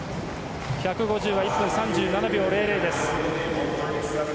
１５０は１分３７秒００です。